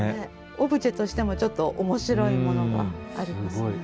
オブジェとしてもちょっと面白いものがありますね。